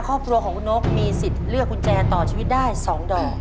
ครอบครัวของคุณนกมีสิทธิ์เลือกกุญแจต่อชีวิตได้๒ดอก